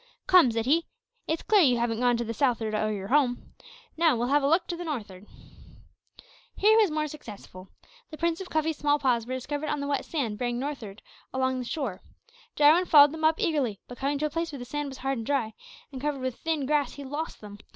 "Come," said he, "it's clear that you haven't gone to the s'uth'ard o' yer home; now, we'll have a look to the nor'ard." Here he was more successful. The prints of Cuffy's small paws were discovered on the wet sand bearing northward along shore. Jarwin followed them up eagerly, but, coming to a place where the sand was hard and dry, and covered with thin grass, he lost them.